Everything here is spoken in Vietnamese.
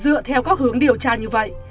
dựa theo các hướng điều tra như vậy